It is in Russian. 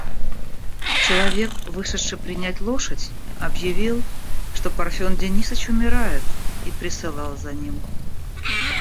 Человек, вышедший принять лошадь, объявил, что Парфен Денисыч умирает и присылал за ним.